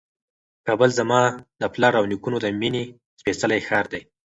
کابل زما د پلار او نیکونو د مېنې سپېڅلی ښار دی.